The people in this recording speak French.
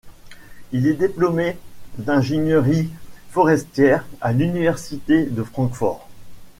Il est diplômé d'ingénierie forestière à l'université de Francfort.